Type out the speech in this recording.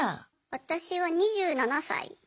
私は２７歳です。